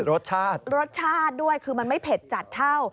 รสชาติรสชาติด้วยคือมันไม่เผ็ดจัดเท่า